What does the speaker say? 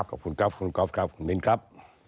ขอบคุณครับขอบคุณครับขอบคุณมีนครับ